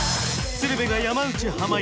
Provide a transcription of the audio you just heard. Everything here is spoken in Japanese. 鶴瓶が山内濱家